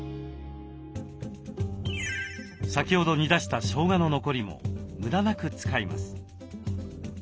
先ほど煮出したしょうがの残りも無駄なく使います。